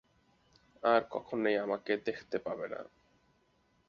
আর কখনোই আমাকে দেখতে পাবে না।